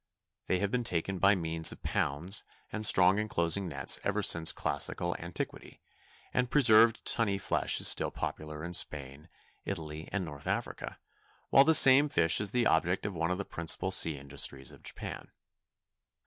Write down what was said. They have been taken by means of pounds and strong enclosing nets ever since classical antiquity, and preserved tunny flesh is still popular in Spain, Italy, and North Africa, while the same fish is the object of one of the principal sea industries of Japan.